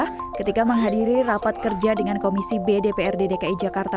pemprov dki jakarta